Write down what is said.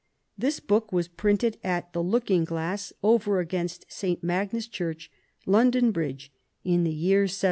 This book was printed "at the Looking Glass, over against St. Magnus' Church, London Bridge," in the year 1742.